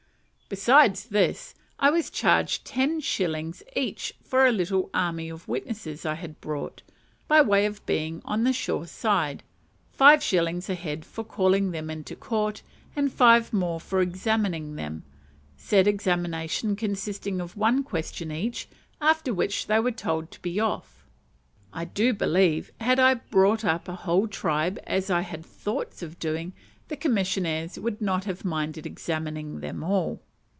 Besides this, I was charged ten shillings each for a little army of witnesses I had brought, by way of being on the sure side five shillings a head for calling them into court, and five more for "examining" them; said examination consisting of one question each, after which they were told to "be off." I do believe had I brought up a whole tribe, as I had thoughts of doing, the commissioners would not have minded examining them all.